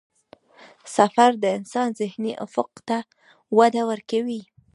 سفر د انسان ذهني افق ته وده ورکوي.